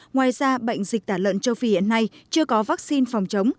ngoài ra bệnh dịch tả lợn châu phi hiện nay chưa có vaccine phòng chống